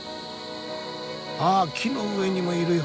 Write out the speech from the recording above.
ああ木の上にもいるよ。